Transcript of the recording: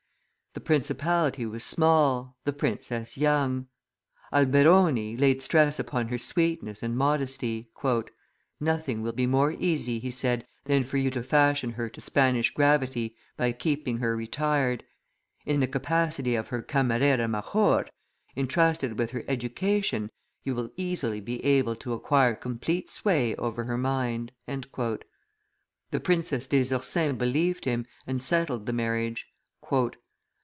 The principality was small, the princess young; Alberoni laid stress upon her sweetness and modesty. "Nothing will be more easy," he said, "than for you to fashion her to Spanish gravity, by keeping her retired; in the capacity of her camarera major, intrusted with her education, you will easily be able to acquire complete sway over her mind." The Princess des Ursins believed him, and settled the marriage.